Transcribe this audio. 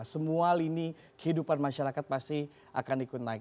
semua lini kehidupan masyarakat pasti akan ikut naik